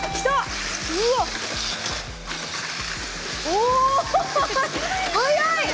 お速い！